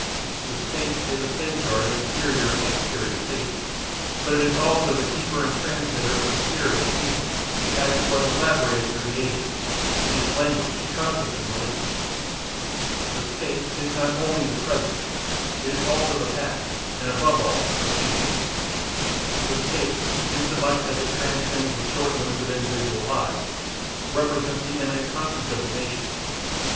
The State is a safeguard of interior and exterior safety but it is also the keeper and the transmitter of the spirit of the people, as it was elaborated throughout the ages, in its language, customs and beliefs. The State is not only the present, but it is also the past and above all the future. The State, inasmuch as it transcends the short limits of individual lives, represents the immanent conscience of the nation.